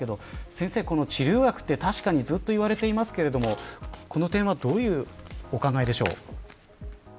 先生治療薬はずっと言われていますがこの点はどういうお考えでしょう。